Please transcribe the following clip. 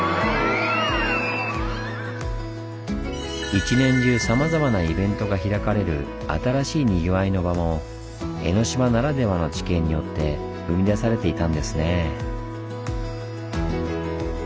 一年中さまざまなイベントが開かれる新しい賑わいの場も江の島ならではの地形によって生み出されていたんですねぇ。